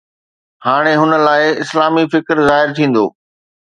هاڻي هن لاءِ اسلامي فڪر ظاهر ٿيندو